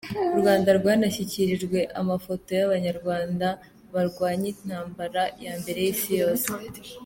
U Rwanda rwanashyikirijwe amafoto y’Abanyarwanda barwanye intambara ya mbere y’Isi yose.